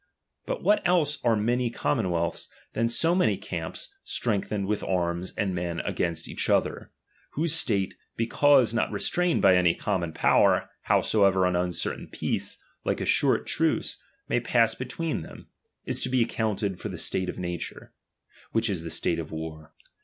But what else are many ^Commonwealths, thanso many camps strengthened "vs^ith arms and men against each other ; whose ^tate, because not restrained by any common X^^iwer, howsoever an uncertain peace, like a short truce, may pass between them, is to be accounted ■for the state of nature ; which is the state of war.